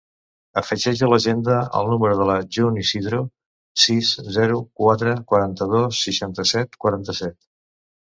Afegeix a l'agenda el número de la June Isidro: sis, zero, quatre, quaranta-dos, seixanta-set, quaranta-set.